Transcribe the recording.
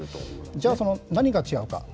じゃあ、何が違うか。